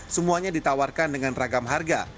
semuanya ditawarkan dengan ragam harga